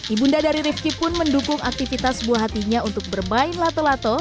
ibu nda dari rizky pun mendukung aktivitas buah hatinya untuk bermain lato lato